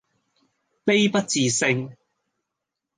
悲不自勝